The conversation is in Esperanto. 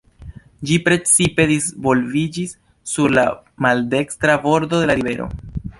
Ĝi precipe disvolviĝis sur la maldekstra bordo de la rivero.